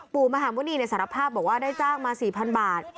ปู่มหาบุรีในสารภาพบอกว่าได้จ้างมาสี่พันบาท